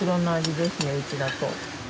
うちだと。